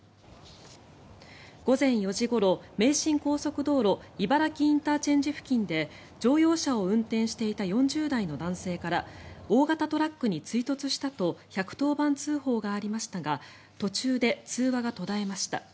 午前４時ごろ名神高速道路茨木ＩＣ付近で乗用車を運転していた４０代の男性から大型トラックに追突したと１１０番通報がありましたが途中で通話が途絶えました。